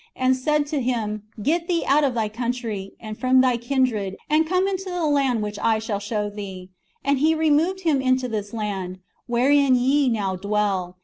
. and said to him, Get thee out of thy country, and from thy kindred, and come into the land which I shall show thee ;... and He removed him into this land, wherein ye now dwell.